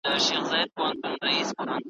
بس ستا په یو نظــر سودایي شوی په دنیا یم